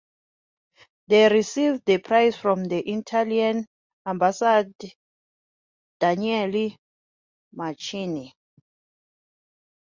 He received the prize from the Italian ambassador Danielle Mancini.